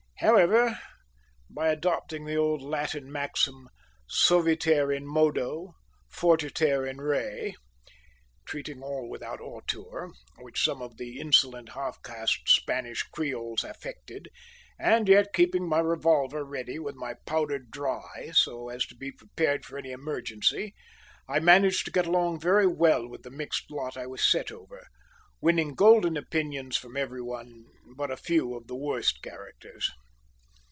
However, by adopting the old Latin maxim, Suaviter in modo, fortiter in re, treating all without hauteur, which some of the insolent half caste Spanish creoles affected, and yet keeping my revolver ready, with "my powder dry," so as to be prepared for any emergency, I managed to get along very well with the mixed lot I was set over, winning golden opinions from every one but a few of the worst characters.